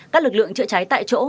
các lực lượng trễ trái tại chỗ